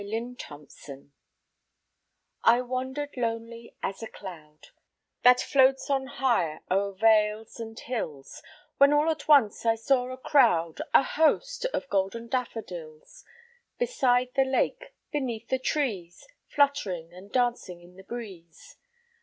DAFFODILS I wander'd lonely as a cloud That floats on high o'er vales and hills, When all at once I saw a crowd, A host, of golden daffodils; Beside the lake, beneath the trees, Fluttering and dancing in the breeze.